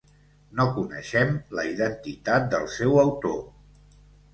No coneixem la identitat del seu autor.